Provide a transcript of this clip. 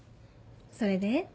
それで？